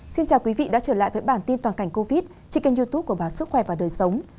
xin chào quý vị đã trở lại với bản tin toàn cảnh covid trên kênh youtube của báo sức khỏe và đời sống